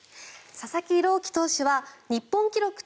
佐々木朗希投手は日本記録